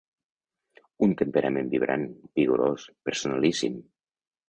Un temperament vibrant, vigorós, personalíssim.